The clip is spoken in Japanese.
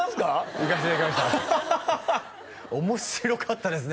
行かせていただきました面白かったですね